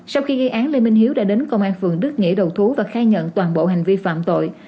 sau khi gây án lê minh hiếu đã đến công an phường đức nghĩa đầu thú và khai nhận toàn bộ hành vi phạm tội